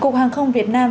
cục hàng không việt nam